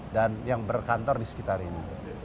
yang berkantor di sekitar ini